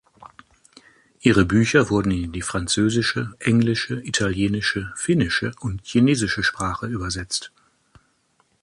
Ihre Bücher wurden in die französische, englische, italienische, finnische und chinesische Sprache übersetzt.